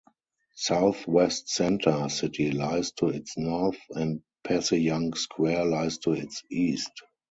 Southwest Center City lies to its north, and Passyunk Square lies to its east.